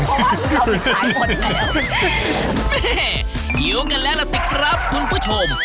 เฮ่เฮ่เฮ่หิวกันแล้วล่ะสิครับคุณผู้ชม